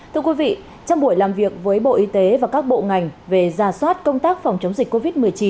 trong buổi làm việc với bộ y tế và các bộ ngành về ra soát công tác phòng chống dịch covid một mươi chín